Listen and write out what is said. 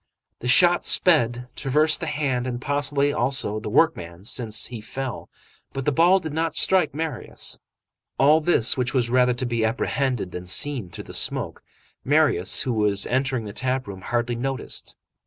The shot sped, traversed the hand and possibly, also, the workman, since he fell, but the ball did not strike Marius. All this, which was rather to be apprehended than seen through the smoke, Marius, who was entering the tap room, hardly noticed.